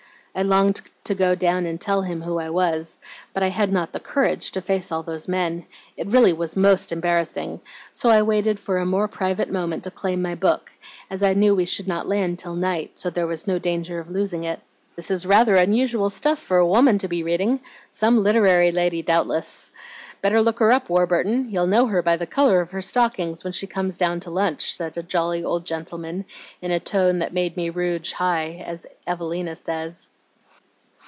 "I longed to go down and tell him who I was, but I had not the courage to face all those men. It really was MOST embarrassing; so I waited for a more private moment to claim my book, as I knew we should not land till night, so there was no danger of losing it. "'This is rather unusual stuff for a woman to be reading. Some literary lady doubtless. Better look her up, Warburton. You'll know her by the color of her stockings when she comes down to lunch,' said a jolly old gentlenoan, in a tone that made me 'rouge high,' as Evelina says.